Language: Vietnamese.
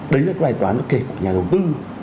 đấy là cái loài toán nó kể của nhà đầu tư